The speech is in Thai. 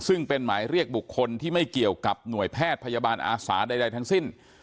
ซึ่งเป็นหมายเรียกบุคคลที่ไม่เกี่ยวกับหน่วยแพทย์พยาบาลอาสาใดทั้งสิ้น